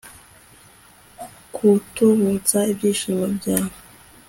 kutuvutsa ibyishimo byawe